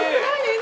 何？